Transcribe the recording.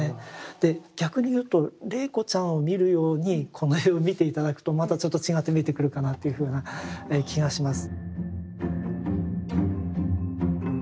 で逆に言うと麗子ちゃんを見るようにこの絵を見て頂くとまたちょっと違って見えてくるかなというふうな気がします。